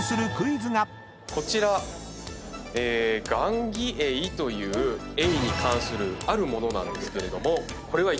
こちらガンギエイというエイに関するあるものなんですけれどもこれはいったい何でしょう？